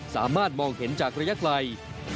สามารถมองเห็นจากระยะไกล